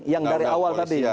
yang dari awal tadi